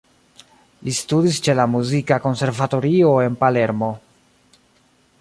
Li studis ĉe la muzika konservatorio en Palermo.